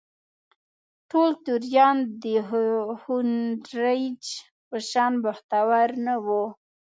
ټول توریان د هونټریج په شان بختور نه وو.